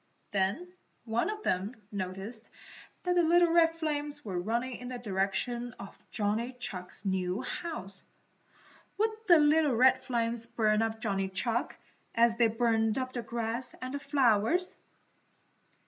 Then one of them noticed that the little red flames were running in the direction of Johnny Chuck's new house. Would the little red flames burn up Johnny Chuck, as they burned up the grass and the flowers?